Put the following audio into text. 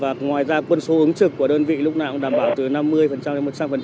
và ngoài ra quân số ứng trực của đơn vị lúc nào cũng đảm bảo từ năm mươi đến một trăm linh